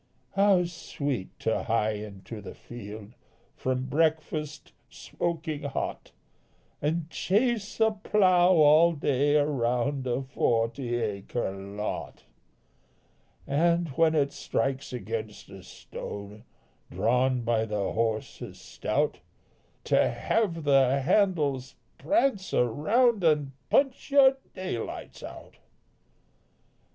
How sweet to hie into the field, From breakfast smoking hot, And chase a plough all day around A forty acre lot, And, when it strikes against a stone, Drawn by the horses stout, To have the handles prance around And punch your daylights out.